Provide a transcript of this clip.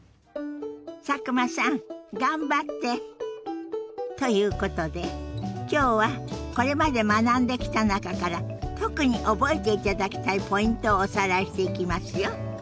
佐久間さん頑張って！ということで今日はこれまで学んできた中から特に覚えていただきたいポイントをおさらいしていきますよ。